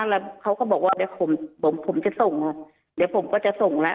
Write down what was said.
แล้วเขาก็บอกว่าเดี๋ยวผมผมจะส่งเดี๋ยวผมก็จะส่งแล้ว